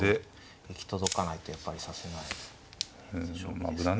行き届かないとやっぱり指せない勝負ですね。